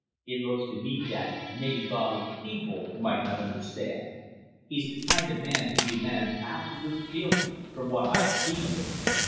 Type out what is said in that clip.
"It looks to me that maybe Bobby Thebold might not understand. He's the kind of man who demands absolute fealty, from what I've seen of him."